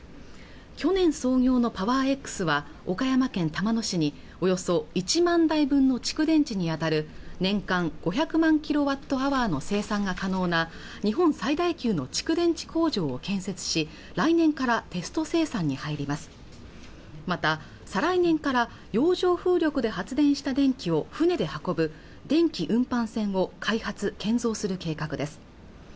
去年創業のパワーエックスは岡山県玉野市におよそ１万台分の蓄電池に当たる年間５００万キロワットアワーの生産が可能な日本最大級の蓄電池工場を建設し来年からテスト生産に入りますまた再来年から洋上風力で発電した電気を船で運ぶ電気運搬船を開発、建造する計画です